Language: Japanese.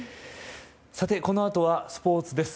さて、このあとはスポーツです。